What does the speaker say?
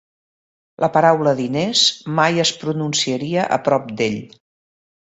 La paraula diners mai es pronunciaria a prop d'ell!